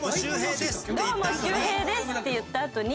「どうもシュウヘイです」って言ったあとに。